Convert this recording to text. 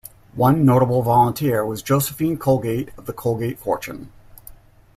One notable volunteer was Josephine Colgate of the Colgate fortune.